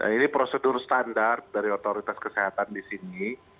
ini prosedur standar dari otoritas kesehatan di sini